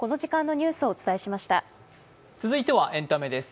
続いてはエンタメです。